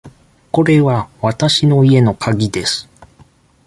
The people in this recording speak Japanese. これはわたしの家のかぎです。